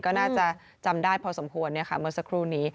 ก็น่าจะจำได้พอสมควรเมื่อสักครู่นี้